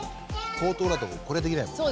口頭だとこれできないもんね。